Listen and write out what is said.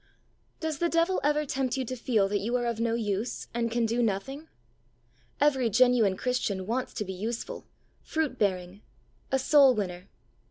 D oes the devlI ever tempt you to feel that you are of no use and can do nothing? Every genuine Christian wants to be useful, fruit bearing, a soul winner.